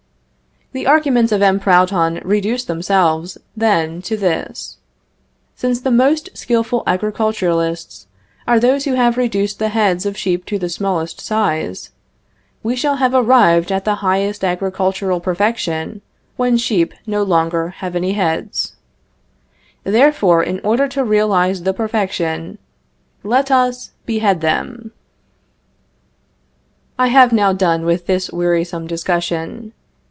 The arguments of M. Proudhon reduce themselves, then, to this: since the most skillful agriculturists are those who have reduced the heads of sheep to the smallest size, we shall have arrived at the highest agricultural perfection when sheep have no longer any heads. Therefore, in order to realize the perfection, let us behead them. I have now done with this wearisome discussion.